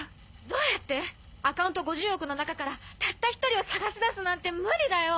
どうやって⁉アカウント５０億の中からたった１人を探し出すなんて無理だよ。